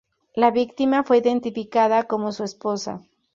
La víctima fue identificada como su esposa.